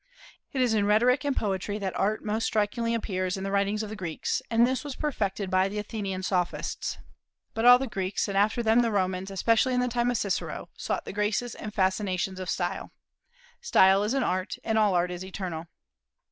It is in rhetoric and poetry that Art most strikingly appears in the writings of the Greeks, and this was perfected by the Athenian Sophists. But all the Greeks, and after them the Romans, especially in the time of Cicero, sought the graces and fascinations of style. Style is an art, and all art is eternal.